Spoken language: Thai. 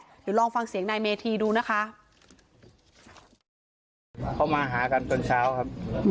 เดี๋ยวลองฟังเสียงนายเมธีดูนะคะเขามาหากันตอนเช้าครับ